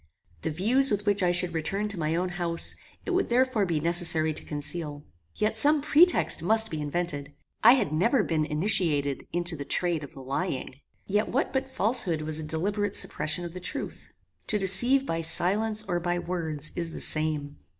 The views with which I should return to my own house, it would therefore be necessary to conceal. Yet some pretext must be invented. I had never been initiated into the trade of lying. Yet what but falshood was a deliberate suppression of the truth? To deceive by silence or by words is the same.